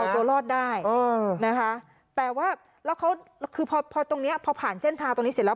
เอาตัวรอดได้แต่ว่าพอผ่านเส้นทางตรงนี้เสร็จแล้ว